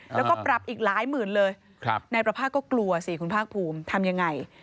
แล้วก็ปรับอีกหลายหมื่นเลยนายประภาคก็กลัวสิคุณภาคภูมิทำยังไง